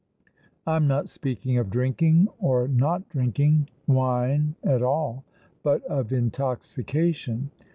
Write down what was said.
I am not speaking of drinking, or not drinking, wine at all, but of intoxication.